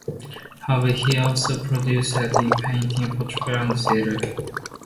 However, he has also produced art in painting, photography and theater.